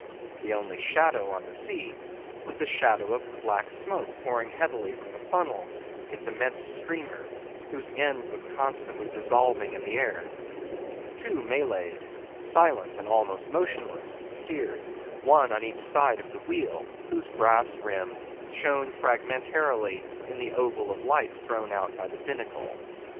The only shadow on the sea was the shadow of the black smoke pouring heavily from the funnel its immense streamer, whose end was constantly dissolving in the air. Two Malays, silent and almost motionless, steered, one on each side of the wheel, whose brass rim shone fragmentarily in the oval of light thrown out by the binnacle.